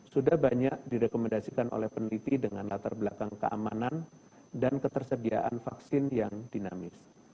sudah banyak direkomendasikan oleh peneliti dengan latar belakang keamanan dan ketersediaan vaksin yang dinamis